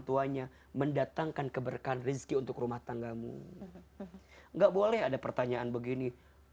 tuanya mendatangkan keberkahan rizki untuk rumah tanggamu enggak boleh ada pertanyaan begini